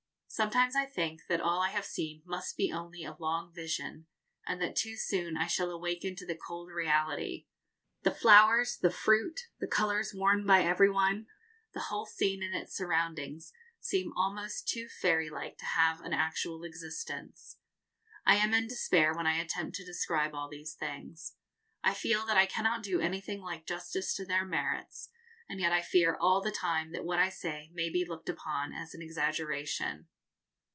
Sometimes I think that all I have seen must be only a long vision, and that too soon I shall awaken to the cold reality; the flowers, the fruit, the colours worn by every one, the whole scene and its surroundings, seem almost too fairylike to have an actual existence. I am in despair when I attempt to describe all these things. I feel that I cannot do anything like justice to their merits, and yet I fear all the time that what I say may be looked upon as an exaggeration.